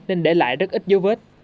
nên để lại rất ít dấu vết